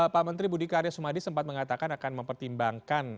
pak menteri budi karya sumadi sempat mengatakan akan mempertimbangkan